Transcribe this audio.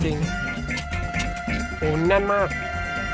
อันนี้นั่นมาก